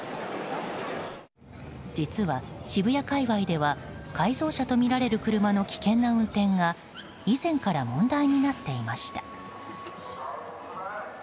実は渋谷界隈では改造車とみられる車の危険な運転が以前から問題になっていました。